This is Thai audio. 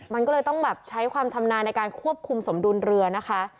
มันก็เลยต้องแบบใช้ความชำนาญในการควบคุมสมดุลเรือนะคะ